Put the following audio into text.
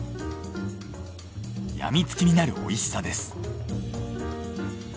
病みつきになるおいしさです。